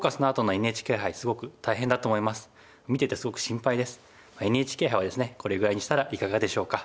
ＮＨＫ杯はですねこれぐらいにしたらいかがでしょうか。